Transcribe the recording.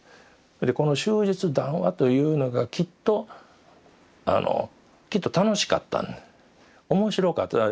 でこの「終日談話」というのがきっときっと楽しかった面白かった。